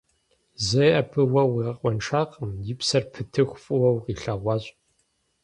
Зэи абы уэ уигъэкъуэншакъым, и псэр пытыху фӀыуэ укъилъэгъуащ.